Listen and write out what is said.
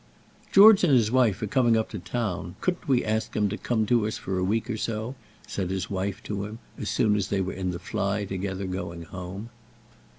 "George and his wife are coming up to town; couldn't we ask them to come to us for a week or so?" said his wife to him, as soon as they were in the fly together, going home.